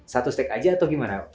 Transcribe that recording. satu stake saja atau bagaimana